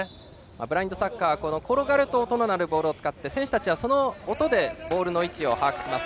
ブラインドサッカー転がると音のなるボールを使って、選手たちはその音でボールの位置を把握します。